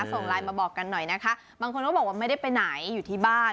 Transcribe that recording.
ส่งไลน์มาบอกกันหน่อยนะคะบางคนก็บอกว่าไม่ได้ไปไหนอยู่ที่บ้าน